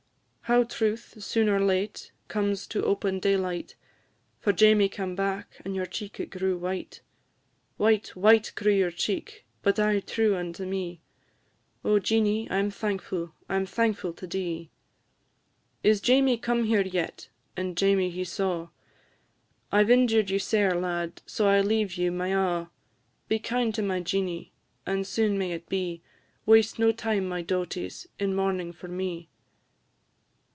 "How truth, soon or late, comes to open daylight! For Jamie cam' back, and your cheek it grew white; White, white grew your cheek, but aye true unto me. Oh, Jeanie, I 'm thankfu' I 'm thankfu' to dee! "Is Jamie come here yet?" and Jamie he saw; "I 've injured you sair, lad, so I leave you my a'; Be kind to my Jeanie, and soon may it be! Waste no time, my dauties, in mournin' for me."